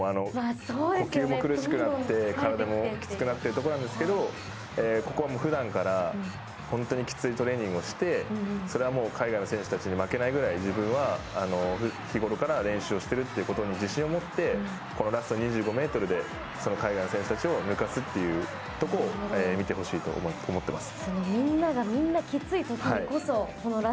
呼吸も苦しくなって体もきつくなっているところなんですけどここは普段から本当にきついトレーニングをしてそれはもう海外の選手たちに負けないくらい自分は日頃から練習をしているってことに自信を持ってこのラスト２５ｍでその海外の選手たちを抜かすっていうところを見てほしいと思っています。